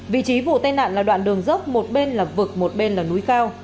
vị trí vụ tai nạn là đoạn đường dốc một bên là vực một bên là núi cao